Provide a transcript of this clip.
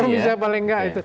ya menko misalnya paling enggak